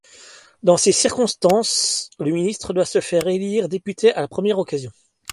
Dans ces circonstances, le ministre doit se faire élire député à la première occasion.